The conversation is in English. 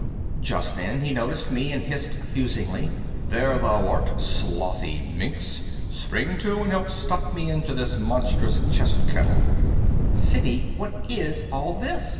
_ Just then he noticed me and hissed accusingly, "There thou art, slothy minx! Spring to and help stuff me into this monstrous chest kettle." "Siddy, what is all this?"